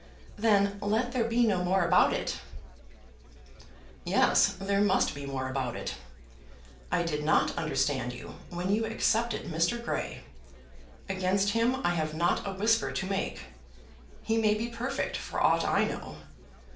"Then let there be no more about it." "Yes; there must be more about it. I did not understand you when you accepted Mr. Grey. Against him I have not a whisper to make. He may be perfect for aught I know.